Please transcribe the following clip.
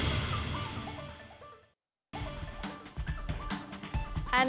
apa yang harus diwaspadai oleh koalisi jokowi sekarang